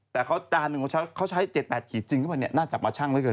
แต่จานนึงเขาใช้๗๘ขีดจริงหรอเนี่ยน่าจับมาชั่งได้เกิน